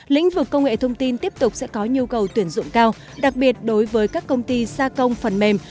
lĩnh vực công nghệ thông tin tiếp tục sẽ có nhu cầu tuyển dụng cao đặc biệt đối với các công ty xa công phần mềm